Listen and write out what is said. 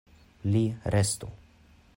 Li restu.